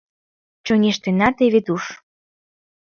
Чоҥештена теве туш.